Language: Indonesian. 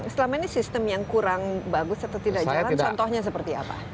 selama ini sistem yang kurang bagus atau tidak jalan contohnya seperti apa